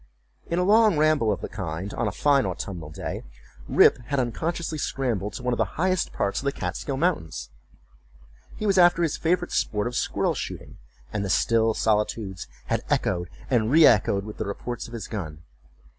In a long ramble of the kind on a fine autumnal day, Rip had unconsciously scrambled to one of the highest parts of the Kaatskill mountains. He was after his favorite sport of squirrel shooting, and the still solitudes had echoed and re echoed with the reports of his gun.